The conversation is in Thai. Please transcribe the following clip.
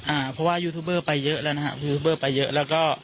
อ่าเพราะว่ายูทูบเบอร์ไปเยอะแล้วนะฮะยูทูบเบอร์ไปเยอะแล้วก็